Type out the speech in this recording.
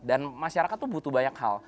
dan masyarakat itu butuh banyak hal